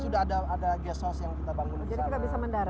sudah sudah ada guest house yang kita bangun di sana